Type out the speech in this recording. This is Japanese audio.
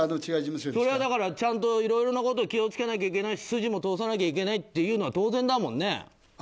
それはだからちゃんといろんなことを気をつけなきゃいけないし筋も通さなきゃいけないっていうのは当然だもんね。